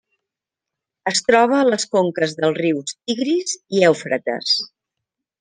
Es troba a les conques dels rius Tigris i Eufrates.